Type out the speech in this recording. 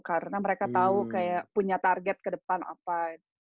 karena mereka tau kayak punya target ke depan apa